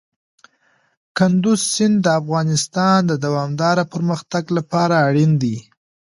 کندز سیند د افغانستان د دوامداره پرمختګ لپاره اړین دي.